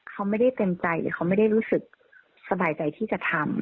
เขาไม่ได้เต็มใจหรือเขาไม่ได้รู้สึกสบายใจที่จะทำ